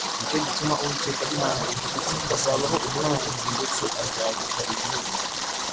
Ni cyo gituma Uwiteka Imana ivuga iti “Hazabaho umwanzi ndetse azagota igihugu